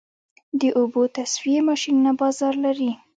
د اوبو تصفیې ماشینونه بازار لري؟